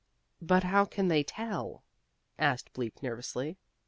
"But how can they tell?" asked Bleak, nervously.